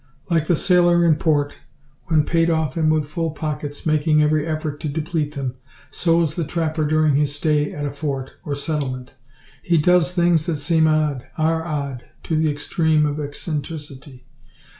Like the sailor in port, when paid off and with full pockets making every effort to deplete them so is the trapper during his stay at a fort, or settlement. He does things that seem odd, are odd, to the extreme of eccentricity.